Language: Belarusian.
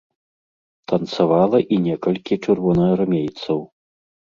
Танцавала і некалькі чырвонаармейцаў.